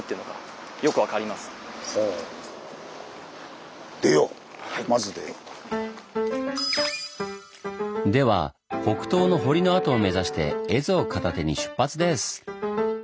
では北東の堀の跡を目指して絵図を片手に出発です！